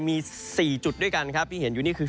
มี๔จุดด้วยกันครับที่เห็นอยู่นี่คือ